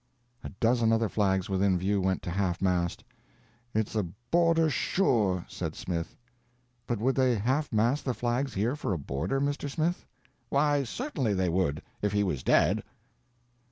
A dozen other flags within view went to half mast. "It's a boarder, sure," said Smith. "But would they half mast the flags here for a boarder, Mr. Smith?" "Why, certainly they would, if he was dead."